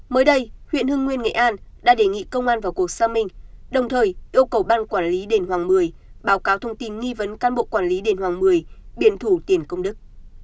mới đây huyện hưng nguyên nghệ an đã đề nghị công an vào cuộc xác minh đồng thời yêu cầu ban quản lý đền hoàng một mươi báo cáo thông tin nghi vấn can bộ quản lý đền hoàng một mươi biển thủ tiền công đức